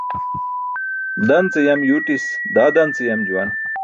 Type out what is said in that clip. Dan ce yam yuwtis daa dan ce yam juwan.